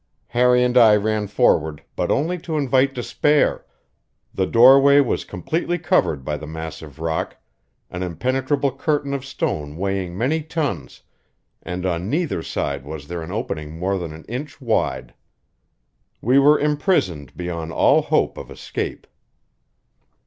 Harry and I ran forward, but only to invite despair; the doorway was completely covered by the massive rock, an impenetrable curtain of stone weighing many tons, and on neither side was there an opening more than an inch wide. We were imprisoned beyond all hope of escape.